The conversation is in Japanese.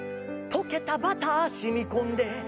「とけたバターしみこんで」